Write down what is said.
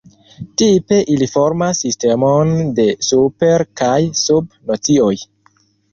Tipe ili formas sistemon de super- kaj sub-nocioj.